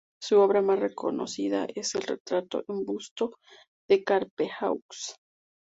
Su obra más reconocida es el retrato en busto de Carpeaux.